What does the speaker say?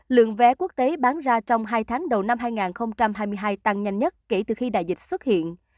lượng vé quốc tế bán ra trong hai tháng đầu năm hai nghìn hai mươi hai tăng nhanh nhất kể từ khi đại dịch xuất hiện